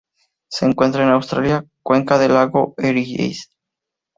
Se encuentra en Australia: cuenca del lago Eyre.